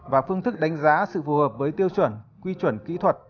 và phương thức đánh giá sự phù hợp với tiêu chuẩn quy chuẩn kỹ thuật